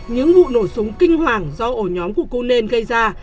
những vụ nổ súng kinh hoàng do ổ nhóm của kun gây ra